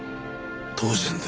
当然だ。